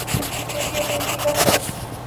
Cynthia, তুমি ঠিক আছো?